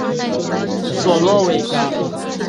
佐洛韦格。